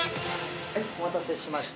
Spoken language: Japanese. お待たせしました。